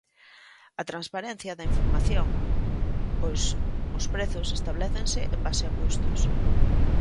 A transparencia da información, pois os prezos establécense en base a custos.